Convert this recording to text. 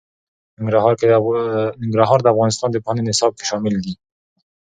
ننګرهار د افغانستان د پوهنې نصاب کې شامل دي.